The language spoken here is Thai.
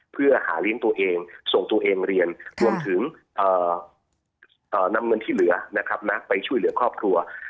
เพื่อหาเลี้ยงตัวเองส่งตัวเองมาเรียนรวมถึงนำเงินที่เหลือนะครับไปช่วยเหลือครอบครัว